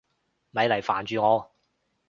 咪嚟煩住我！